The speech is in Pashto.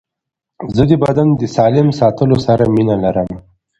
زه د بدن د سالم ساتلو سره مینه لرم.